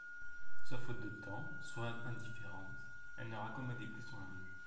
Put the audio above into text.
Soit faute de temps, soit indifférence, elle ne raccommodait plus son linge.